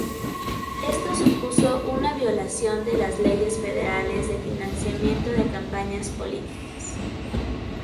Esto supuso una violación de las leyes federales de financiamiento de campañas políticas.